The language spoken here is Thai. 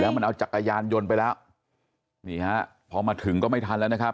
มันเอาจักรยานยนต์ไปแล้วนี่ฮะพอมาถึงก็ไม่ทันแล้วนะครับ